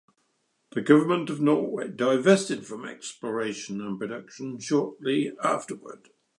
The government of Norway divested from exploration and production shortly afterward.